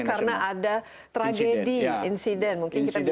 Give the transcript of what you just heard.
karena ada tragedi insiden mungkin kita bisa